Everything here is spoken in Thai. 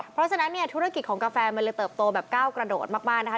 เพราะฉะนั้นเนี่ยธุรกิจของกาแฟมันเลยเติบโตแบบก้าวกระโดดมากนะคะ